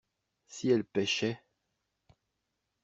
Si elle pêchait.